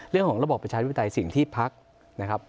เรื่องของระบอบประชาธิปไตยสิ่งที่พักนะครับ